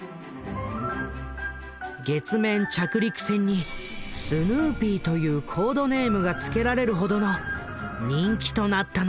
月面着陸船に「スヌーピー」というコードネームがつけられるほどの人気となったのだ。